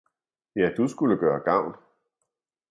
ja du skulle gøre gavn!